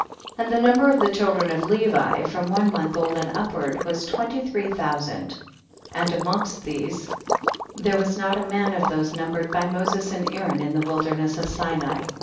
4. And the number of the children of Levi, from one month old and up ward, was twenty three thousand, and amongst these there was not a man of those numbered by Moses and Aaron in the wilderness of Sinai.